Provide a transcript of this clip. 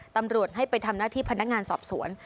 ตำรวจให้ไปทำหน้าที่พนักงานสอบสวน